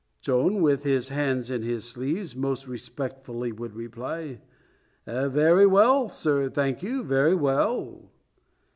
Chon, with his hands in his sleeves, most respectfully would reply, "Very well, sir, thank you, very well."